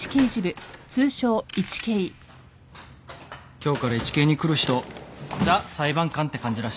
今日からイチケイに来る人ザ・裁判官って感じらしいですよ。